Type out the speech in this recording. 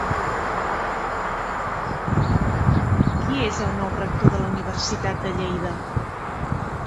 Qui és el nou rector de la Universitat de Lleida?